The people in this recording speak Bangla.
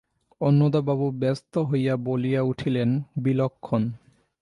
অন্নদাবাবু ব্যস্ত হইয়া বলিয়া উঠিলেন, বিলক্ষণ।